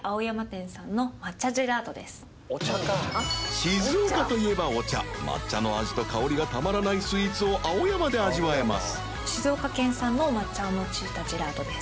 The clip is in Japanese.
静岡といえばお茶抹茶の味と香りがたまらないスイーツを青山で味わえます